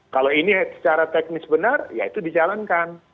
kalau ini secara teknis benar ya itu dijalankan